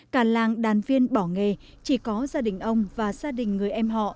cả làng đàn viên bỏ nghề chỉ có gia đình ông và gia đình người em họ